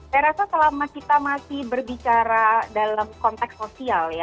saya rasa selama kita masih berbicara dalam konteks sosial ya